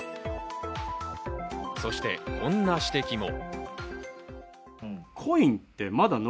そしてこんな指摘も。